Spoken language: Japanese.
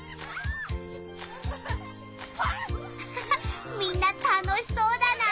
ハハハッみんな楽しそうだな！